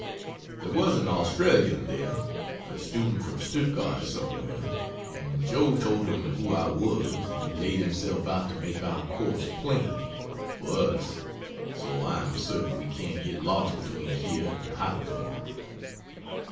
There was an Australian there (a student from Stuttgart or somewhere,) and Joe told him who I was and he laid himself out to make our course plain, for us so I am certain we can't get lost between here and Heidelberg.